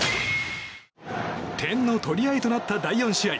点の取り合いとなった第４試合。